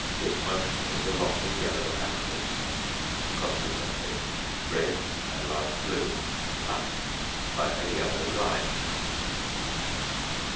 This motion is along the yellow axis, consequently red and light blue touch by a yellow line.